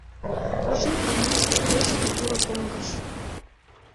Ший памаш лектеш кӱ курык оҥ гыч